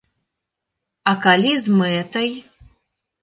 А калі з мэтай?